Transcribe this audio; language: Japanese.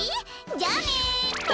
じゃあね！